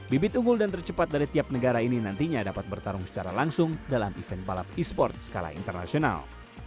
bibit unggul dan tercepat dari tiap negara ini nantinya dapat bertarung secara langsung dalam event balap e sports skala internasional